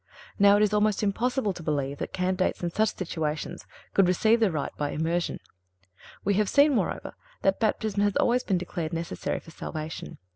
Now, it is almost impossible to believe that candidates in such situations could receive the rite by immersion. We have seen, moreover, that Baptism has always been declared necessary for salvation.